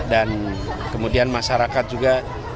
dan kemudian masyarakat juga